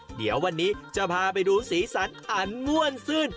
เดี๋ยววันนี้จะพาไปดูสีสันอันม่วนซื่น